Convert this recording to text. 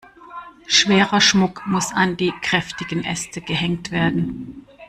Schwerer Schmuck muss an die kräftigen Äste gehängt werden.